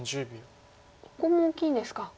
ここも大きいんですか。